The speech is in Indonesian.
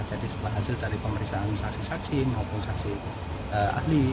jadi setelah hasil dari pemeriksaan saksi saksi maupun saksi ahli